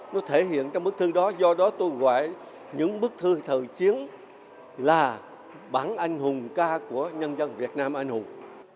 nó thể hiện trong bức thư đó do đó tôi gọi những bức thư thời chiến là bản anh hùng ca của nhân dân việt nam anh hùng